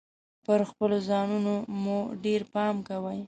پر خپلو ځانونو مو ډیر پام کوﺉ .